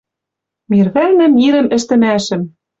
Мир вӹлӓн мирӹм ӹштӹмӓшӹм